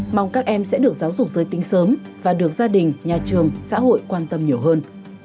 mong các em sẽ được giáo dục giới tính sớm và được gia đình nhà trường xã hội quan tâm nhiều hơn